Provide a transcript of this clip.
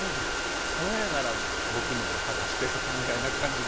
それなら僕のも探してよみたいな感じで。